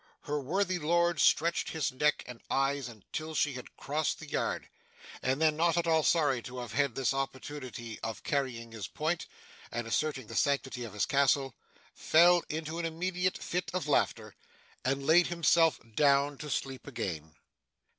Her worthy lord stretched his neck and eyes until she had crossed the yard, and then, not at all sorry to have had this opportunity of carrying his point, and asserting the sanctity of his castle, fell into an immoderate fit of laughter, and laid himself down to sleep again.